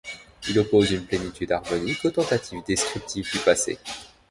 Il oppose une plénitude harmonique aux tentatives descriptives du passé.